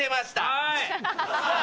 はい。